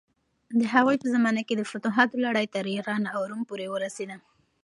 د هغوی په زمانه کې د فتوحاتو لړۍ تر ایران او روم پورې ورسېده.